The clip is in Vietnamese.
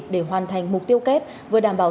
để hoàn thành mục tiêu kép vừa đảm bảo